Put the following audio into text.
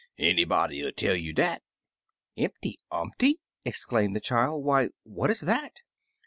Any body'll tell you dat." "Impty Umpty!" exclaimed the child, "why, what is that?"